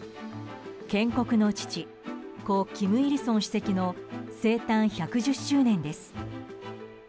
建国の父、故・金日成主席の生誕１１０周年です。